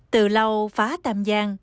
từ lâu phá tàm giang